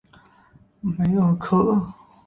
梅尔科厄。